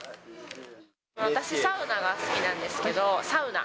私サウナが好きなんですけど、サウナ。